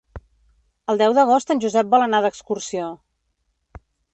El deu d'agost en Josep vol anar d'excursió.